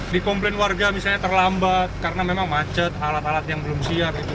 di komplain warga misalnya terlambat karena memang macet alat alat yang belum siap